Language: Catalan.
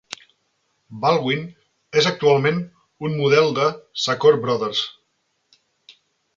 Baldwin és actualment un model de Sacoor Brothers.